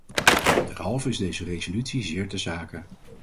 Derhalve is deze resolutie zeer ter zake.